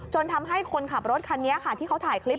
ทำให้คนขับรถคันนี้ค่ะที่เขาถ่ายคลิป